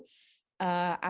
apa sih prosesnya